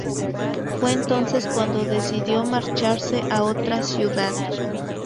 Fue entonces cuando decidió marcharse a otra ciudad.